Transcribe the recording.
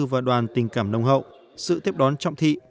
và đoàn tình cảm nồng hậu sự tiếp đón trọng thị